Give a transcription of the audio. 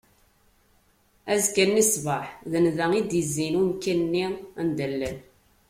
Azekka-nni ṣṣbeḥ, d nnda i d-izzin i umkan-nni anda i llan.